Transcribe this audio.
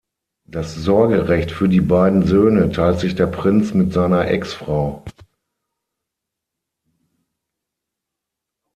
Das Sorgerecht für die beiden Söhne teilt sich der Prinz mit seiner Ex-Frau.